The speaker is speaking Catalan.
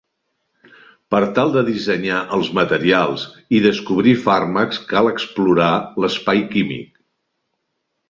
Per tal de dissenyar els materials i descobrir fàrmacs cal explorar l'espai químic.